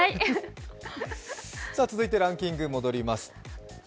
続いてランキングに戻ります。